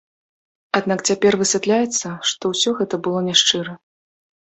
Аднак цяпер высвятляецца, што ўсё гэта было няшчыра.